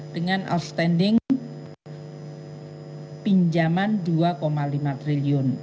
dengan outstanding pinjaman rp dua lima triliun